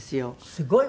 すごい。